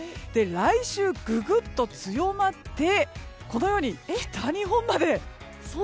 来週、ググっと強まってこのように北日本まで。